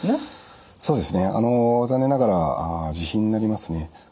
そうですね残念ながら自費になりますね。